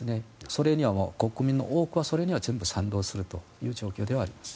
それには国民の多くは全部は賛同する状況ではあります。